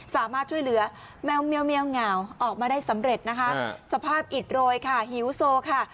สามารถช่วยเหลือแมวเมียวเหงาออกมาได้สำเร็จนะคะสภาพอิดโรยค่ะหิวโซค่ะ